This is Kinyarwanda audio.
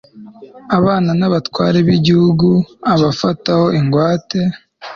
abana b'abatware b'igihugu abafataho ingwate